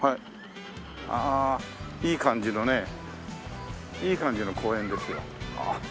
ああいい感じのねいい感じの公園ですよ。